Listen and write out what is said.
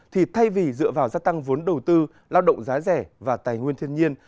thì thay vì dựa vào gia tăng vốn đầu tư lao động giá rẻ và tài nguyên thiên nhiên